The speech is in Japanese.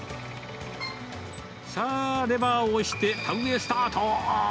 さあ、レバーを押して田植えスタート。